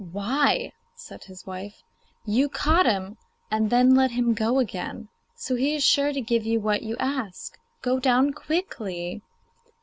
'Why,' said his wife, 'you caught him, and then let him go again, so he is sure to give you what you ask. Go down quickly.